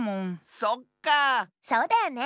そうだよね！